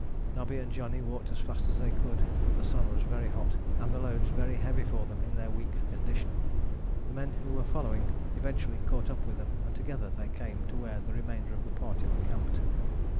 Nobby and Johnny walked as fast as they could, but the sun was very hot and the loads very heavy for them in their weak condition. The men who were following eventually caught up with them and together they came to where the remainder of the party were camped.